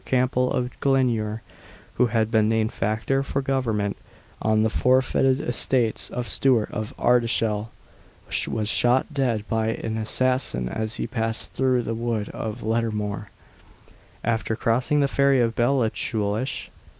Campbell of Glenure, who had been named factor for Government on the forfeited estates of Stewart of Ardshiel, was shot dead by an assassin as he passed through the wood of Lettermore, after crossing the ferry of Ballachulish.